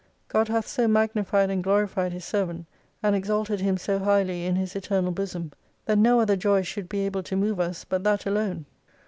God hath so magnified and glorified His servant, and exalted him so highly in His eternal bosom, that no other joy should be able to move us but that alone.